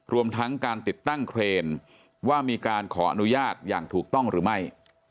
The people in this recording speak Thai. รวมทั้งการติดตั้งเครนว่ามีการขออนุญาตอย่างถูกต้องหรือไม่